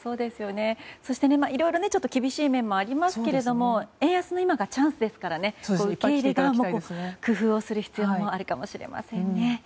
そしていろいろ厳しい面もありますが円安の今がチャンスですから受け入れ側も工夫をする必要があるかもしれませんね。